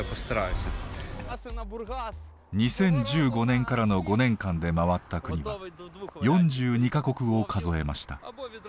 ２０１５年からの５年間でまわった国は４２か国を数えました。